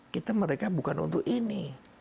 kita mereka bukan untuk ini